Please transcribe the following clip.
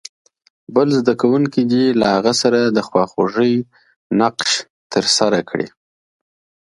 بل زده کوونکی دې له هغه سره د خواخوږۍ نقش ترسره کړي.